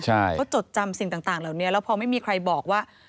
เขาจดจำสิ่งต่างเหล่านี้แล้วพอไม่มีใครบอกว่า